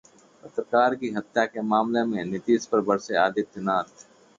पत्रकार की हत्या के मामले में नीतीश पर बरसे आदित्यनाथ